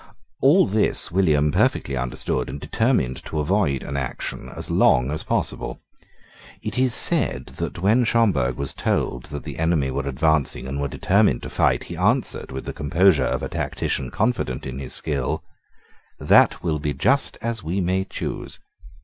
All this William perfectly understood, and determined to avoid an action as long as possible. It is said that, when Schomberg was told that the enemy were advancing and were determined to fight, he answered, with the composure of a tactician confident in his skill, "That will be just as we may choose."